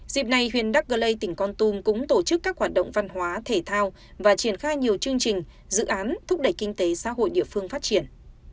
dịp này huyện đắc cơ lây tỉnh con tum cũng tổ chức các hoạt động văn hóa thể thao và triển khai nhiều chương trình dự án thúc đẩy kinh tế xã hội địa phương phát triển